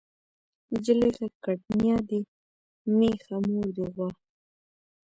نجلۍ غږ کړ نيا دې مېښه مور دې غوا.